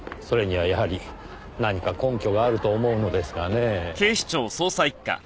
それにはやはり何か根拠があると思うのですがねぇ。